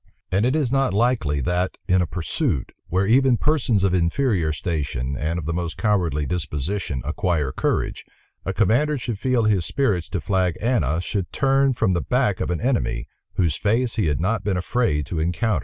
And it is not likely, that, in a pursuit, where even persons of inferior station, and of the most cowardly disposition, acquire courage, a commander should feel his spirits to flag ana should turn from the back of an enemy, whose face he had not been afraid to encounter.